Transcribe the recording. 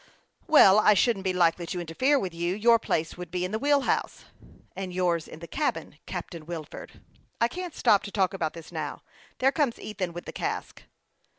" Well, I shouldn't be likely to interfere with you ; your place would be in the wheel house." " And yours in the cabin, Captain Wilford. I can't stop to talk about this now. There comes Ethan with the cask."